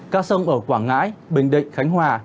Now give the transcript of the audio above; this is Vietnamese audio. có sông ở quảng ngãi bình định khánh hòa